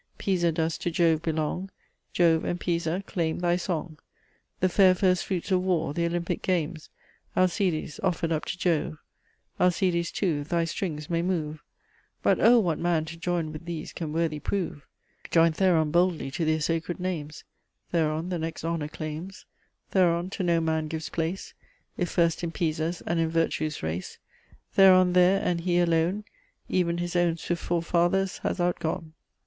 Pisa does to Jove belong, Jove and Pisa claim thy song. The fair first fruits of war, th' Olympic games, Alcides, offer'd up to Jove; Alcides, too, thy strings may move, But, oh! what man to join with these can worthy prove? Join Theron boldly to their sacred names; Theron the next honour claims; Theron to no man gives place, Is first in Pisa's and in Virtue's race; Theron there, and he alone, Ev'n his own swift forefathers has outgone."